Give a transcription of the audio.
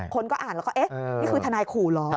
คนก็อ่านแล้วก็เอ๊ะนี่คือทนายขู่เหรอ